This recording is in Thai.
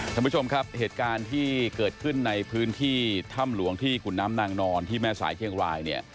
ท่านผู้ชมครับเหตุการณ์ที่เกิดขึ้นในพื้นที่ถ้ำหลวงที่ขุนน้ำนางนอนที่แม่สายเชียงรายเนี่ย